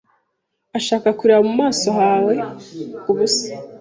ashaka kureba mu maso hawe Ubusa